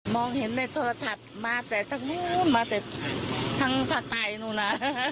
มองเห็นมีโทรศัตริย์มาจากทั้งนู้นมาจากทั้งภาคไทยนู้นนะ